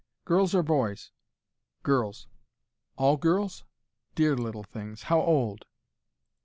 "Girls or boys?" "Girls." "All girls? Dear little things! How old?"